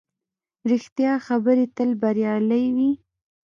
ریښتیا خبرې تل بریالۍ وي